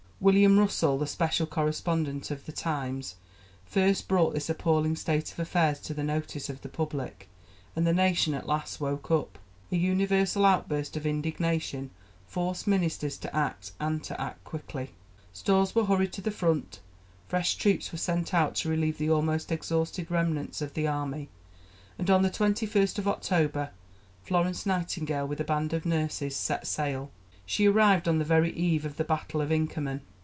William Russell, the special correspondent of The Times, first brought this appalling state of affairs to the notice of the public, and the nation at last woke up. A universal outburst of indignation forced ministers to act, and to act quickly. Stores were hurried to the front; fresh troops were sent out to relieve the almost exhausted remnants of the army, and on the 21st October Florence Nightingale, with a band of nurses, set sail; she arrived on the very eve of the Battle of Inkerman.